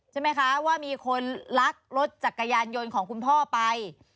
ใช่ไหมคะว่ามีคนลักรถจักรยานยนต์ของคุณพ่อไป